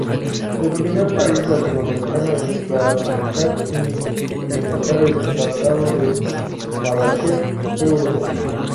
El primer país latinoamericano en ratificar e implementar el Tratado de Marrakech fue Uruguay.